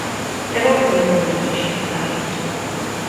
E vou poñer varios exemplos.